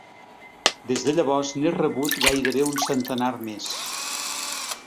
Des de llavors n'he rebut gairebé un centenar més.